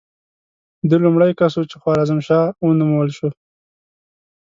ده لومړی کس و چې خوارزم شاه ونومول شو.